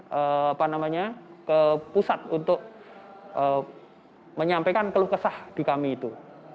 saya apa namanya ke pusat untuk menyampaikan keluh kesah di kami itu